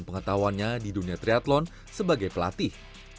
pengetahuannya di dunia triathlon sebagai pelatih